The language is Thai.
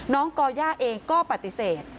ก่อย่าเองก็ปฏิเสธ